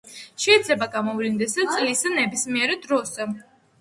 შეიძლება გამოვლინდეს წლის ნებისმიერ დროს.